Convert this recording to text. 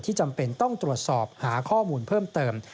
จำเป็นต้องตรวจสอบหาข้อมูลเพิ่มเติม